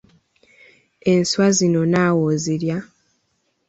Enswa zino naawe ozirya?